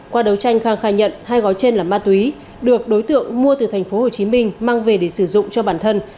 qua đấu tranh khang khai nhận hai gói trên là ma túy được đối tượng mua từ tp hcm mang về để sử dụng cho bản thân